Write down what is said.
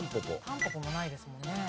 タンポポもないですもんね。